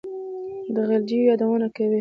د غلجیو یادونه کوي.